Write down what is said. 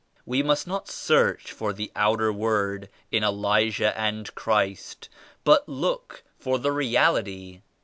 We must not search for the outer word in Elijah and Christ but look for the Reality.